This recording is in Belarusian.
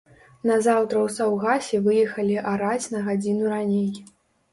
Назаўтра ў саўгасе выехалі араць на гадзіну раней.